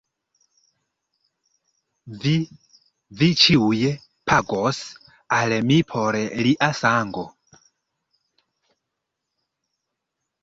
Vi, vi ĉiuj pagos al mi por lia sango!